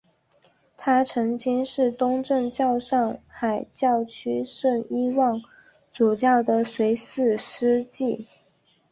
他曾是东正教上海教区圣伊望主教的随侍司祭。